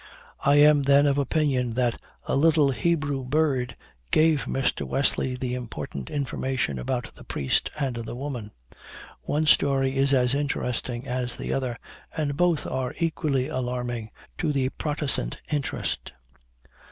I am, then, of opinion that a little Hebrew bird gave Mr. Wesley the important information about the priest and the woman. One story is as interesting as the other, and both are equally alarming to the Protestant interest."